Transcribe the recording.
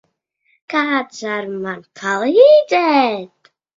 Kāds var man palīdzēt?